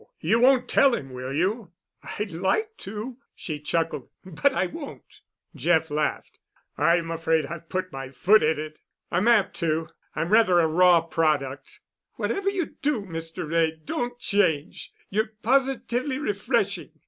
You won't tell him, will you?" "I'd like to," she chuckled. "But I won't." Jeff laughed. "I'm afraid I've put my foot in it. I'm apt to. I'm rather a raw product——" "Whatever you do, Mr. Wray, don't change. You're positively refreshing.